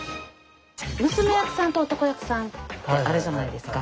娘役さんと男役さんってあるじゃないですか。